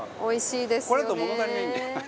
これだと物足りないんだよな。